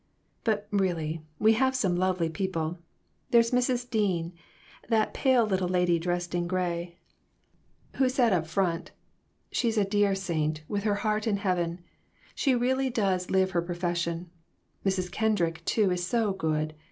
But, really, we have some lovely people. There's Mrs. Dean, that pale little lady dressed in gray, RECONCILIATIONS. 13! who sat up in front. She's a dear saint, with her heart in heaven. She really does live her profes sion. Mrs. Kendrick, too, is so good.